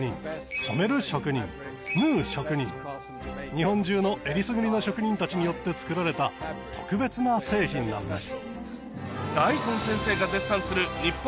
日本中のえりすぐりの職人たちによって作られた特別な製品なんです。